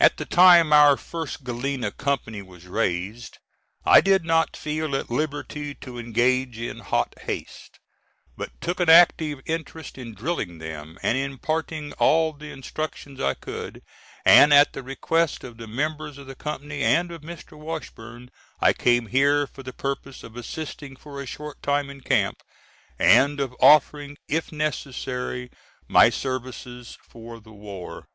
At the time our first Galena company was raised I did not feel at liberty to engage in hot haste, but took an active interest in drilling them, and imparting all the instruction I could, and at the request of the members of the company, and of Mr. Washburn, I came here for the purpose of assisting for a short time in camp, and of offering, if necessary, my services for the war.